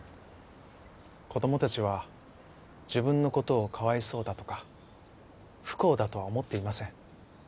子どもたちは自分の事をかわいそうだとか不幸だとは思っていません。